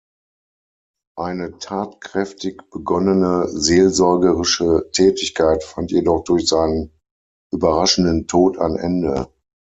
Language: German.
Eine tatkräftig begonnene seelsorgerische Tätigkeit fand jedoch durch seinen überraschenden Tod ein Ende.